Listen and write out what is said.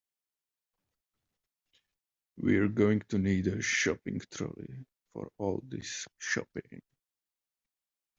We're going to need a shopping trolley for all this shopping